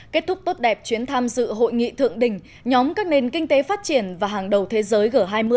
kết thúc tốt đẹp chuyến tham dự hội nghị thượng đỉnh nhóm các nền kinh tế phát triển và hàng đầu thế giới g hai mươi